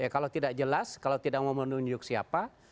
kalau tidak jelas kalau tidak mau menunjuk siapa